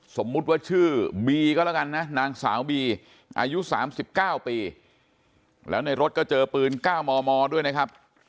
สมมุติว่าชื่อบีก็แล้วกันนะนางสาวบีอายุ๓๙ปีแล้วในรถก็เจอปืน๙มมด้วยนะครับ